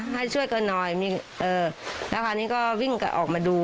ให้ช่วยกันหน่อยและพอนี่ก็วิ่งออกมาดู